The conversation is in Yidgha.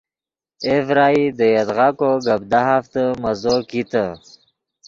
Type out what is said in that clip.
اے ڤرائی دے یدغا کو گپ دہافتے مزو کیتے